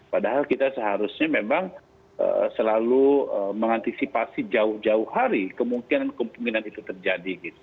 padahal kita seharusnya memang selalu mengantisipasi jauh jauh hari kemungkinan kemungkinan itu terjadi